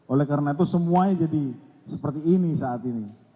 oleh karena itu semuanya jadi seperti ini saat ini